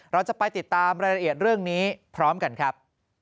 เราจะไปติดตามรายละเอียดเรื่องนี้พร้อมกันครับ